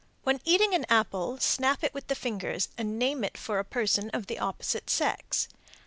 When eating an apple, snap it with the fingers and name it for a person of the opposite sex.